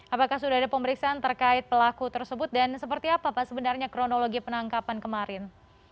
apakah sudah ada pemeriksaan terkait pelaku tersebut dan seperti apa pak sebenarnya kronologi penangkapan kemarin